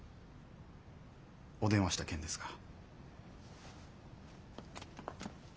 お電話した件ですが。